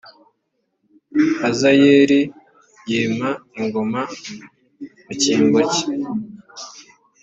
hazayelih yima ingoma mu cyimbo cye